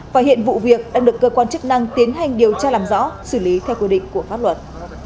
và hiện vụ việc đang được cơ quan chức năng tiến hành điều tra làm rõ xử lý theo quy định của pháp luật